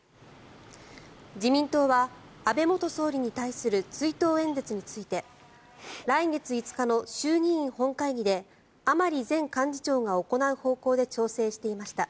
自民党は、安倍元総理に対する追悼演説について来月５日の衆議院本会議で甘利前幹事長が行う方向で調整していました。